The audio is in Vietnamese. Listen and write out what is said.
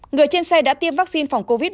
người trên xe đã tiêm vaccine phòng covid